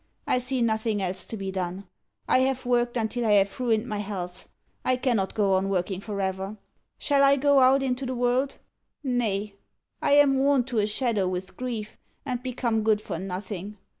I see nothing else to be done. I have worked until I have ruined my health. I cannot go on working forever. Shall I go out into the world? Nay; I am worn to a shadow with grief, and become good for nothing.